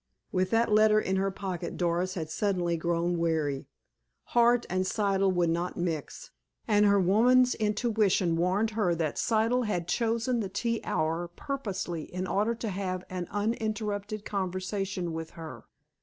With that letter in her pocket Doris had suddenly grown wary. Hart and Siddle would not mix, and her woman's intuition warned her that Siddle had chosen the tea hour purposely in order to have an uninterrupted conversation with her.